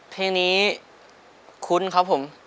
เพลงนี้คุ้นครับผม